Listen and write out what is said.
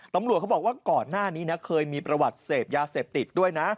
ตำรวจเขาบอกว่าก่อนหน้านี้นะเคยมีประวัติเสพยาเสพติดด้วยนะ